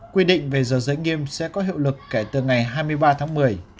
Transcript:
quy định về giờ giới nghiêm sẽ có hiệu lực kể từ ngày hai mươi ba tháng một mươi